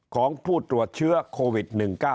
ของผู้ตรวจเชื้อโควิด๑๙